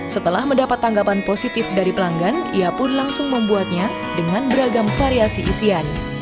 setelah mendapat tanggapan positif dari pelanggan ia pun langsung membuatnya dengan beragam variasi isian